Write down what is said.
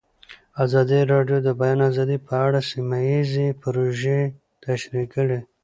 ازادي راډیو د د بیان آزادي په اړه سیمه ییزې پروژې تشریح کړې.